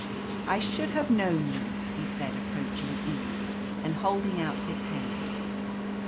"I should have known you," he said, approaching Eve, and holding out his hand.